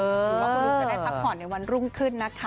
หรือว่าคุณลุงจะได้พักผ่อนในวันรุ่งขึ้นนะคะ